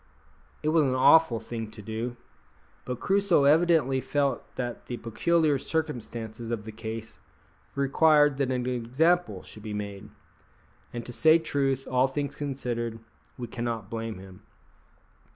It was an awful thing to do, but Crusoe evidently felt that the peculiar circumstances of the case required that an example should be made; and to say truth, all things considered, we cannot blame him.